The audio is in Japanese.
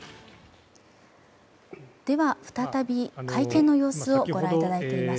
では再び、会見の様子をご覧いただいています。